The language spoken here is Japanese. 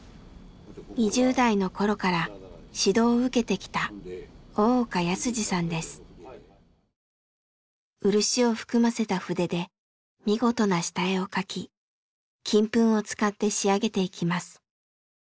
２０代の頃から指導を受けてきた漆を含ませた筆で見事な下絵を描き金粉を使って仕上げていきます。